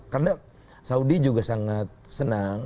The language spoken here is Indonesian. karena saudi juga sangat senang